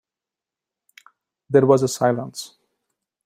There was a silence.